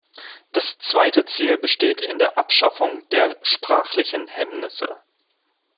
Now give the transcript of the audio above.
Das zweite Ziel besteht in der Abschaffung der sprachlichen Hemmnisse.